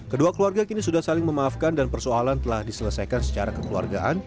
kedua keluarga kini sudah saling memaafkan dan persoalan telah diselesaikan secara kekeluargaan